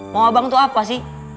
mau abang itu apa sih